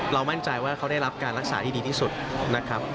มั่นใจว่าเขาได้รับการรักษาที่ดีที่สุดนะครับ